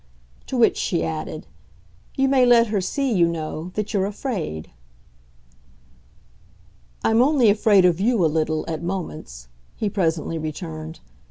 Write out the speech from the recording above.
To which she added: "You may let her see, you know, that you're afraid." "I'm only afraid of you, a little, at moments," he presently returned.